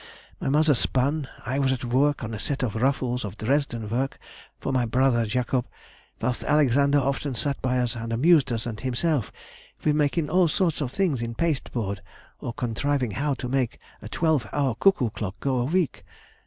My mother spun, I was at work on a set of ruffles of Dresden work for my brother Jacob, whilst Alexander often sat by us and amused us and himself with making all sorts of things in pasteboard, or contriving how to make a twelve hour Cuckoo clock go a week....